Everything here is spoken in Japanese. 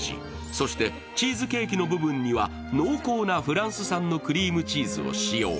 そして、チーズケーキの部分には濃厚なフランス産のクリームチーズを使用。